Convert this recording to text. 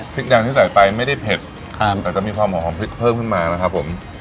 พริกแดงที่ใส่ไปไม่ได้เผ็ดครับแต่จะมีความหอมของพริกเพิ่มขึ้นมานะครับผม